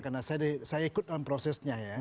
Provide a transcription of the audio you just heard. karena saya ikut dalam prosesnya ya